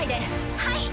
はい。